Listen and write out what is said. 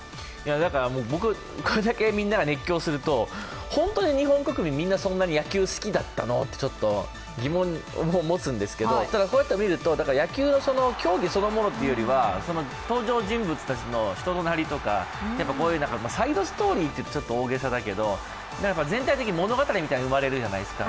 僕、これだけみんなが熱狂すると本当に日本国民、みんなそんなに野球好きだったの？と疑問を持つんですけどただこうやって見ると、野球の競技そのものというよりは登場人物たちの人のなりとかサイドストーリーと言うとちょっと大げさだけど全体的に物語みたいなのが生まれるじゃないですか。